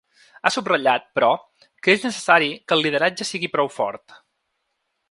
Ha subratllat, però, que és necessari que el lideratge sigui prou fort.